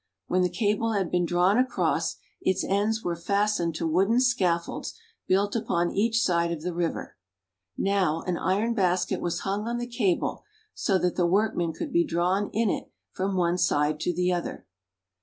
When the cable had been drawn across, its ends were fastened to wooden scaffolds built upon each side of the river. Now an iron basket was hung on the cable, so that the workmen could be drawn in it from one side to the other. Mr.